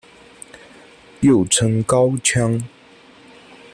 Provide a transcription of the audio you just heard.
又称高腔。